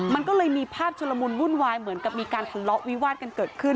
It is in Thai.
มันก็เลยมีภาพชุลมุนวุ่นวายเหมือนกับมีการทะเลาะวิวาดกันเกิดขึ้น